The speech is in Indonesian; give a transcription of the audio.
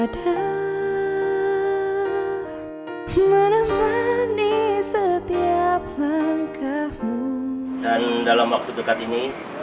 dan dalam waktu dekat ini